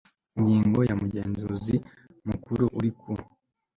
Ingingo ya Umugenzuzi Mukuru uri ku